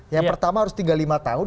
yang pertama harus tinggal lima tahun